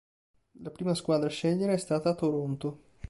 La prima squadra a scegliere è stata Toronto.